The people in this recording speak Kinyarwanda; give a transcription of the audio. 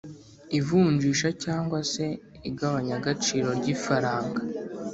ivunjisha cyangwa se igabanyagaciro ry’ifaranga